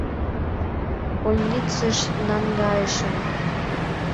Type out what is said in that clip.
Больницыш наҥгайышым...